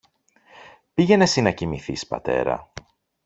Πήγαινε συ να κοιμηθείς, πατέρα